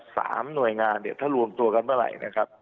สามหน่วยงานเนี่ยถ้ารวมตัวกันเมื่อไหร่นะครับ